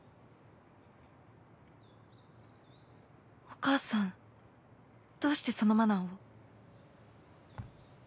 お母さんどうしてそのマナーを？